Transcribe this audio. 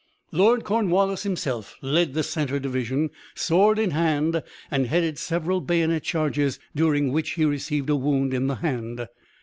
Lord Cornwallis himself led the centre division, sword in hand, and headed several bayonet charges, during which he received a wound in the hand.